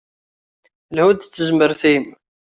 Lhu-d d tezmert-im.